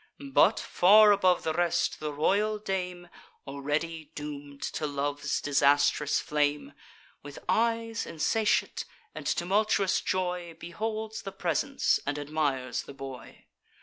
But, far above the rest, the royal dame, (Already doom'd to love's disastrous flame,) With eyes insatiate, and tumultuous joy, Beholds the presents, and admires the boy.